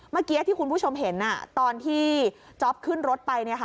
เมื่อกี้ที่คุณผู้ชมเห็นตอนที่จ๊อปขึ้นรถไป